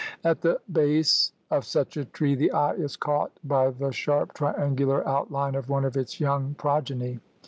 At the base of such a tree the eye is caught by the sharp, trian gular outline of one of its young progeny.